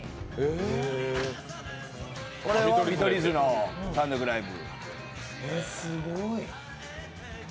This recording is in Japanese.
これは見取り図の単独ライブ。